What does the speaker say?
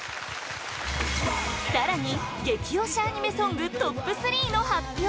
更に、激推しアニメソングトップ３の発表！